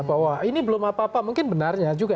bahwa ini belum apa apa mungkin benarnya juga